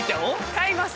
買います。